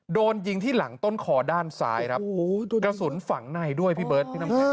โดนยิงที่หลังต้นคอด้านซ้ายครับโอ้โหกระสุนฝั่งในด้วยพี่เบิร์ท